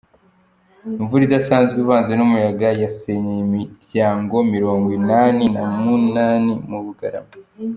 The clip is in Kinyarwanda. Imvura Idasanzwe ivanze n’umuyaga yasenyeye imiryango Mirongo Inani Numunani mu Bugarama